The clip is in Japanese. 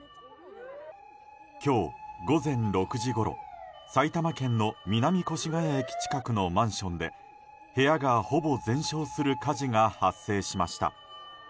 今日午前６時ごろ埼玉県の南越谷駅近くのマンションで部屋がほぼ全焼する火事が発生しました。